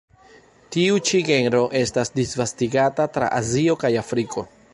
Tiu ĉi genro estas disvastigata tra Azio kaj Afriko.